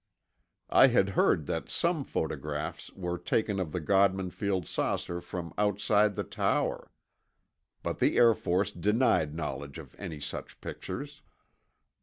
I had heard that some photographs were taken of the Godman Field saucer from outside the tower. But the Air Force denied knowledge of any such pictures.